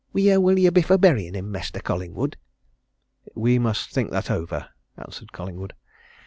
Wheer will you be for buryin' him, Mestur Collingwood?" "We must think that over," answered Collingwood.